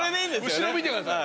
後ろ見てください